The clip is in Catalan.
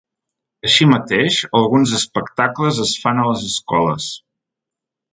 Així mateix, alguns espectacles es fan a les escoles.